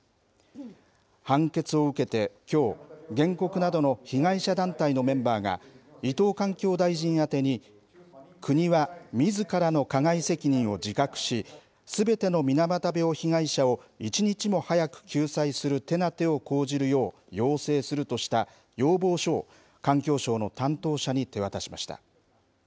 判決を受けて、きょう原告などの被害者団体のメンバーが伊藤環境大臣宛てに国はみずからの加害責任を自覚しすべての水俣病被害者を１日も早く救済する手だてを講じるよう要請するとした要望書を環境省の担当者に手渡しました。